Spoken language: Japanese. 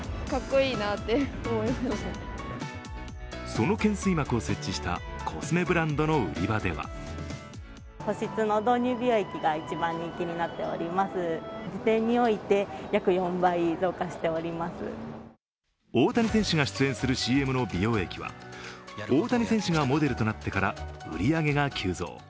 その懸垂幕を設置したコスメブランドの売り場では大谷選手が出演するＣＭの美容液は大谷選手がモデルとなってから売り上げが急増。